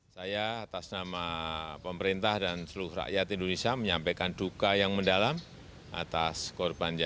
saya atas nama pemerintah dan seluruh rakyat indonesia menyampaikan duka yang mendadak